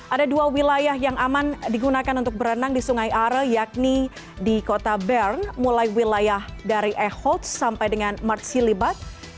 ada dua wilayah yang aman digunakan untuk berenang di sungai are yakni di kota bern mulai wilayah dari e holtz sampai dengan marshilibat